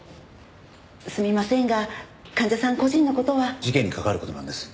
すみませんが患者さん個人の事は。事件に関わる事なんです。